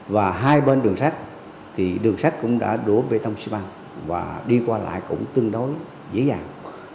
và hai bên đường rác thì đường rác cũng đã đổ bê tông xe băng và đi qua lại cũng tương đối dễ dàng